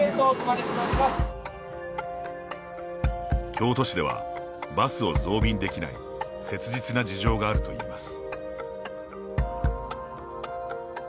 京都市ではバスを増便できない切実な事情があるといいます。